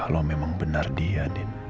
kalau memang benar dia